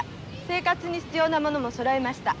生活に必要なものもそろえました。